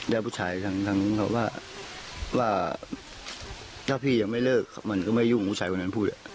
แล้วผู้ชายทั้งเขาว่าถ้าพี่ยังไม่เลิกมันก็ไม่ยุ่งผู้ชายคนนั้นพูด